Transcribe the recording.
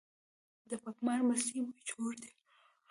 د پګمان مستې مشهورې دي؟